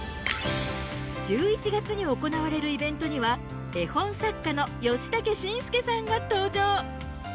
１１月に行われるイベントには絵本作家のヨシタケシンスケさんが登場。